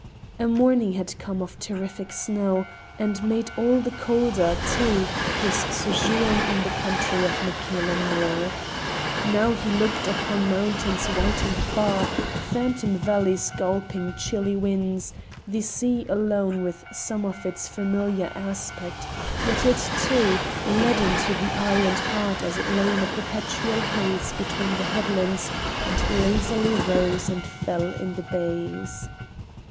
A morning had come of terrific snow, and made all the colder, too, his sojourn in the country of MacCailen Mor. Now he looked upon mountains white and far, phantom valleys gulping chilly winds, the sea alone with some of its familiar aspect, yet it, too, leaden to eye and heart as it lay in a perpetual haze between the headlands and lazily rose and fell in the bays.